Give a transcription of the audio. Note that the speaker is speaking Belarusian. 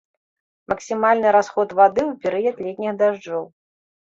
Максімальны расход вады ў перыяд летніх дажджоў.